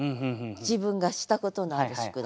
自分がしたことのある宿題。